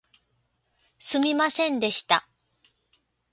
すみませんでした